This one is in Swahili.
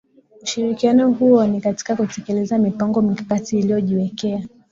Ushirikiano huo ni katika kutekeleza mipango mikakati iliyojiwekea